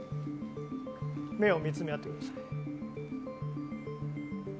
目を見つめ合ってください。